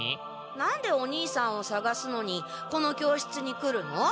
なんでお兄さんをさがすのにこの教室に来るの？